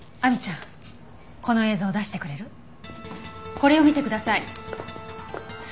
これを見てください。